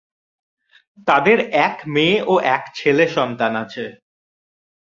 তাদের এক মেয়ে ও এক ছেলে সন্তান আছে।